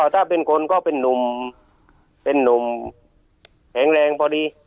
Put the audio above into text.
ถ้าเป็นคนก็เป็นนุ่มแข็งแรงพอดี